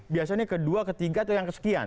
biasanya kedua ketiga atau yang kesekian